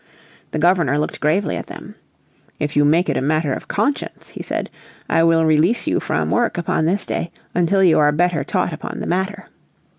The Governor looked gravely at them. "If you make it a matter of conscience," he said, "I will release you from work upon this day until you are better taught upon the matter."